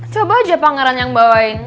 coba aja pangeran yang bawain